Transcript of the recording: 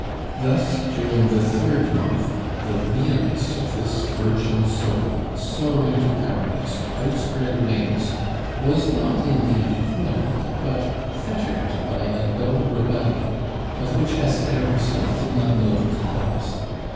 Thus, during the third month, the vehemence of this virgin soul, soaring to Paradise on outspread wings, was not indeed quelled, but fettered by a dull rebellion, of which Esther herself did not know the cause.